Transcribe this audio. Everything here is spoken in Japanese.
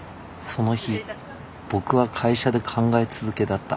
その日僕は会社で考え続けだった。